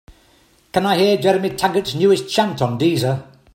Can I hear Jeremy Taggart's newest chant on Deezer?